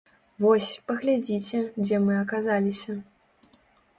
Вось, паглядзіце, дзе мы аказаліся.